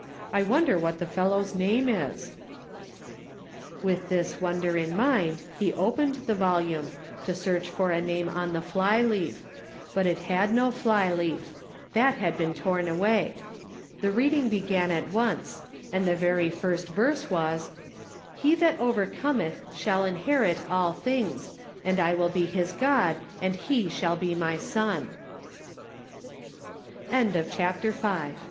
I wonder what the fellow's name is .'" With this wonder in mind he opened the volume, to search for a name on the fly leaf ; but it had no fly leaf; that had been torn away. The reading began at once, and the very first verse was :" He that overcometh shall inherit all things ; and I will b